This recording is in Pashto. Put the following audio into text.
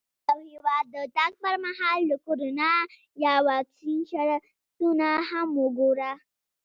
د یو هېواد د تګ پر مهال د کرونا یا واکسین شرطونه هم وګوره.